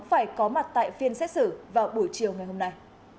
phải có mặt tại phiên xét xử vào buổi chiều ngày hôm nay